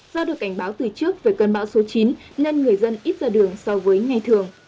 do được cảnh báo từ trước về cơn bão số chín nên người dân ít ra đường so với ngày thường